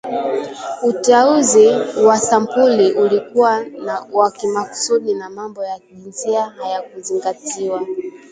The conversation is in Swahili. Uteuzi wa sampuli ulikuwa wa kimaksudi na mambo ya jinsia hayakuzingatiwa